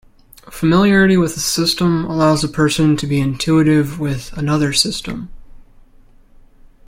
Familiarity with a system allows a person to be intuitive with another system.